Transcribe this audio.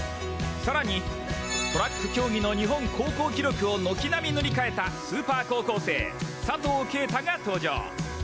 更に、トラック競技の日本高校記録を軒並み塗り替えたスーパー高校生・佐藤圭汰が登場。